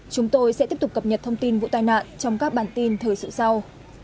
chúng tôi sẽ tiếp tục cập nhật thông tin vụ tai nạn trong các bản tin thời sự sau